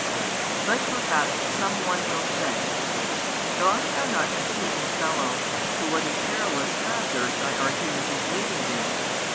But perhaps some one will say, "Dost thou not see, O fellow, to what a perilous hazard thy argument is leading thee?